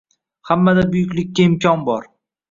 Hammada buyuklikka imkon bor